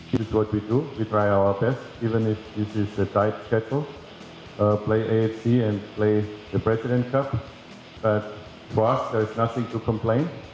kami akan berusaha untuk melakukan sesuatu yang baik bahkan kalau ini adalah skedul yang tepat